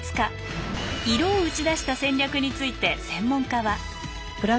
「色」を打ち出した戦略について専門家は。